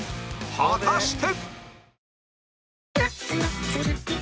果たして